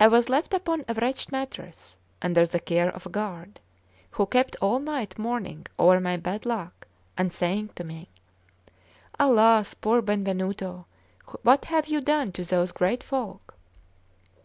I was left upon a wretched mattress under the care of a guard, who kept all night mourning over my bad luck, and saying to me: "Alas! poor Benvenuto, what have you done to those great folk?"